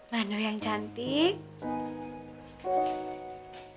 bandu yang cantik